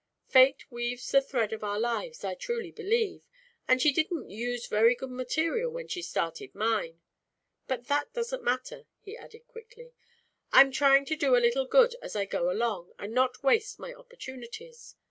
Fate weaves the thread of our lives, I truly believe, and she didn't use very good material when she started mine. But that doesn't matter," he added quickly. "I'm trying to do a little good as I go along and not waste my opportunities.